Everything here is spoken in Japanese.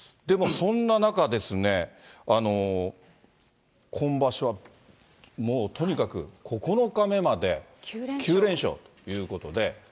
でもそんな中ですね、今場所は、もうとにかく、９日目まで９連勝ということで。